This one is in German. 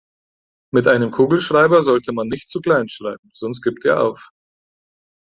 Mit einem Kugelschreiber sollte man nicht zu klein schreiben, sonst gibt er auf.